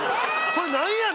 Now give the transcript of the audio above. これなんやねん！